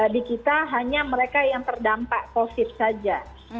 di kita hanya mereka yang terdampak covid saja